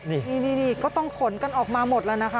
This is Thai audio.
นี่ก็ต้องขนกันออกมาหมดแล้วนะคะ